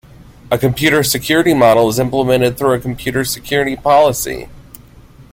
A computer security model is implemented through a computer security policy.